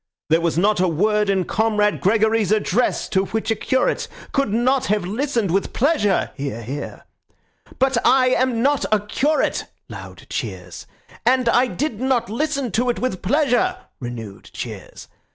There was not a word in Comrade Gregory's address to which a curate could not have listened with pleasure (hear, hear). But I am not a curate (loud cheers), and I did not listen to it with pleasure (renewed cheers).